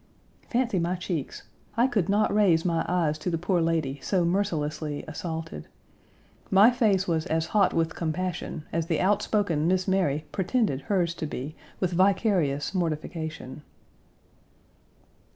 Fancy my cheeks. I could not raise my eyes to the poor lady, so mercilessly assaulted. My face was as hot with compassion as the outspoken Miss Mary pretended hers to be with vicarious mortification.